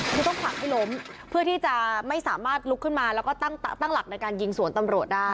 คือต้องผลักให้ล้มเพื่อที่จะไม่สามารถลุกขึ้นมาแล้วก็ตั้งหลักในการยิงสวนตำรวจได้